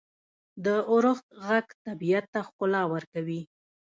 • د اورښت ږغ طبیعت ته ښکلا ورکوي.